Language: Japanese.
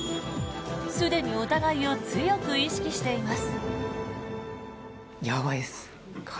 すでにお互いを強く意識しています。